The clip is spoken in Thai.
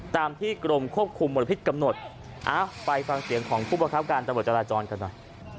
ตามที่กรมควบคุมมลพิษกำหนดไปฟังเสียงของผู้ประคับการตำรวจจราจรกันหน่อย